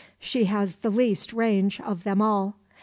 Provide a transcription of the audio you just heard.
She has the least range of them all.